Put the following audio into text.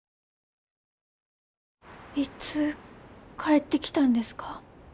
いつ帰ってきたんですか？